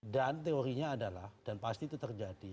teorinya adalah dan pasti itu terjadi